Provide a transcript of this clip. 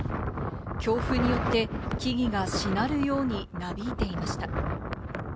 強風によって、木々がしなるように、なびいていました。